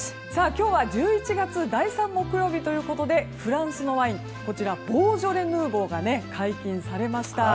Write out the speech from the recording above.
今日は１１月第３木曜日ということでフランスのワインボージョレ・ヌーボーが解禁されました。